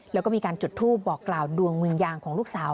แล้วก็มีการจุดทูปบอกกล่าวดวงเมืองยางของลูกสาว